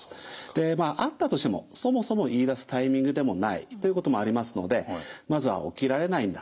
まああったとしてもそもそも言いだすタイミングでもないということもありますのでまずは「起きられないんだ。